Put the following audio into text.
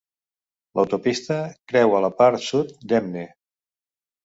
L'autopista creua la part sud d'Hemne.